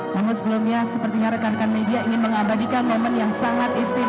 namun sebelumnya sepertinya rekan rekan media ingin mengabadikan momen yang sangat istimewa